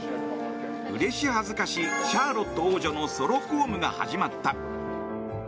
うれし恥ずかしシャーロット王女のソロ公務が始まった。